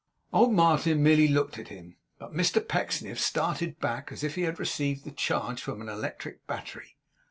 Old Martin merely looked at him; but Mr Pecksniff started back as if he had received the charge from an electric battery.